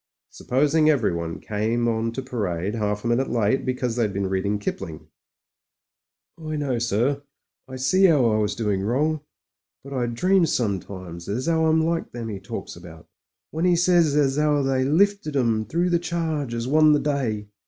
Supposing everyone came on to parade half a minute late because they'd been reading Kipling?" "I know, sir. I see as 'ow I was wrong. But — I dreams sometimes as 'ow I'm like them he talks about, when 'e says as 'ow they lifted 'em through the charge as won the day.